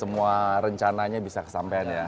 semua rencananya bisa kesampean ya